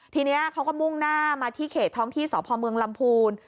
ทีนี้เขาก็มุ่งหน้ามาที่เขตท้องที่สพเมืองลำพูน